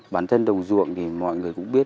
bản thân đồng ruộng thì mọi người cũng biết